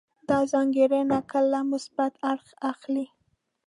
دا ځانګړنې کله مثبت اړخ اخلي.